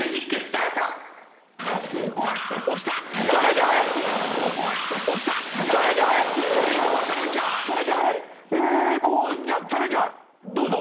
じゃあチャレンジャーどうぞ。